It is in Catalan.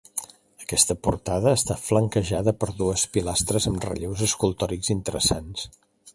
Aquesta portada està flanquejada per dues pilastres amb relleus escultòrics interessants.